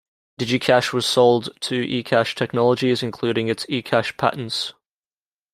DigiCash was sold to eCash Technologies, including its eCash patents.